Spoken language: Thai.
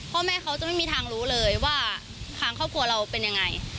พ่อแม่เขาจะไม่มีทางรู้เลยว่าทางครอบครัวเราเป็นยังไง